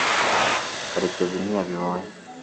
karekezi ntiyabibonye